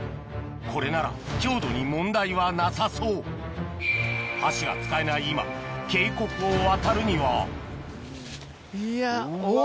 これなら強度に問題はなさそう橋が使えない今渓谷を渡るにはいやうわ。